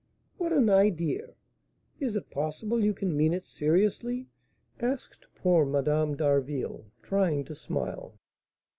"What an idea! Is it possible you can mean it seriously?" asked poor Madame d'Harville, trying to smile.